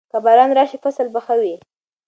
که باران راشي، فصل به ښه وي.